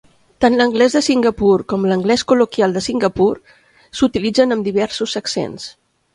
Tant l'anglès de Singapur com l'anglès col·loquial de Singapur s'utilitzen amb diversos accents.